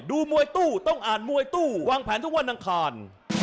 ดูมวยตู้ต้องอ่านมวยตู้วางแผนทุกวันอังคาร